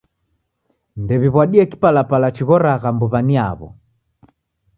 Ndew'iw'adie kipalapala chiroghagha mbuw'a ni yaw'o.